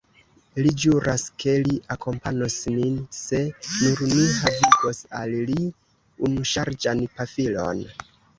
Li ĵuras, ke li akompanos nin, se nur ni havigos al li unuŝargan pafilon.